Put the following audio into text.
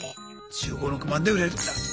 １５１６万で売れるんだ。